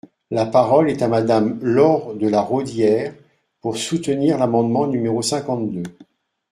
La parole est à Madame Laure de La Raudière, pour soutenir l’amendement numéro cinquante-deux.